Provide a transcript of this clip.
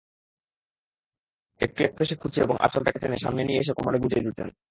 একটু একপেশে কুঁচি এবং আঁচলটাকে টেনে সামনে নিয়ে এসে কোমরে গুঁজে দিতেন।